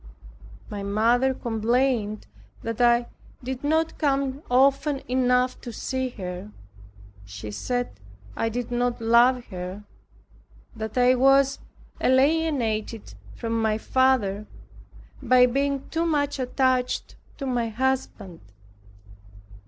My mother complained that I did not come often enough to see her. She said I did not love her, that I was alienated from my family by being too much attached to my husband.